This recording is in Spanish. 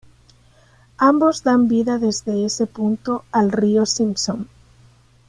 Ambos dan vida desde ese punto al río Simpson.